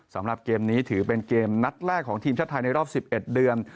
สำหรับเกมนี้ถือเป็นเกมนัดแรกของทีมชาติไทยในรอบ๑๑เดือน